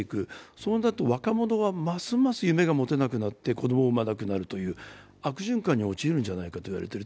それだと若者は、ますます夢が持てなくなって子供を産まなくなるという悪循環に陥るのではないかといわれている。